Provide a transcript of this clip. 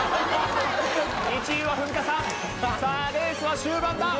１位は文田さんさぁレースは終盤だ！